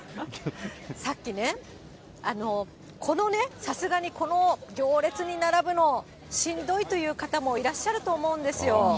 さっきね、このね、さすがにこの行列に並ぶの、しんどいという方もいらっしゃると思うんですよ。